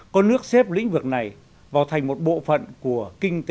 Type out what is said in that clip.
có nước xếp lĩnh vực này vào thành một bộ phận của kinh tế